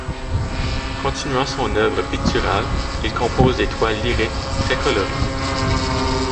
Continuant son œuvre picturale, il compose des toiles lyriques, très colorées.